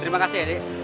terima kasih ya dek